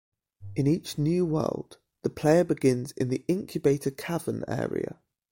In each new world, the player begins in the incubator cavern area.